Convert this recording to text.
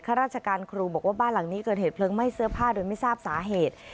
ราชการครูบอกว่าบ้านหลังนี้เกิดเหตุเพลิงไหม้เสื้อผ้าโดยไม่ทราบสาเหตุ